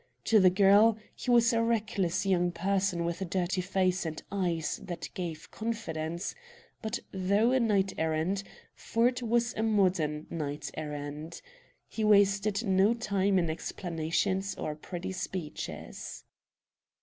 To the girl, he was a reckless young person with a dirty face and eyes that gave confidence. But, though a knight errant, Ford was a modern knight errant. He wasted no time in explanations or pretty speeches.